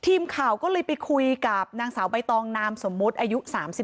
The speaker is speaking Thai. ทีมข่าวก็เลยไปคุยกับนางสาวใบตองนามสมมุติอายุ๓๒